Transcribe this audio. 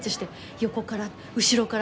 横から後ろから。